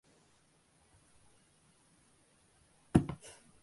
அன்பில்லையேல் மானுடம் வாழ்தல் அரிது.